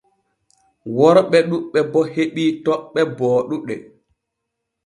Worɓe ɗuuɓɓe bo heɓii toɓɓe booɗuɗe.